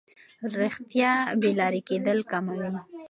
رښتیا بې لارې کېدل کموي.